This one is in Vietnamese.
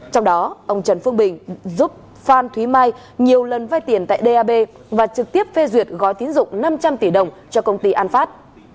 trong đó ông trần phương bình giúp phan thúy mai nhiều lần vai tiền tại đ a b và trực tiếp phê duyệt gói tín dụng năm trăm linh tỷ đồng cho công ty an phát